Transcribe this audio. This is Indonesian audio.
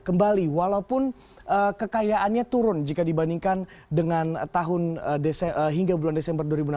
kembali walaupun kekayaannya turun jika dibandingkan dengan bulan desember dua ribu enam belas